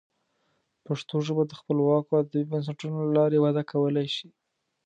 پښتو ژبه د خپلواکو ادبي بنسټونو له لارې وده کولی شي.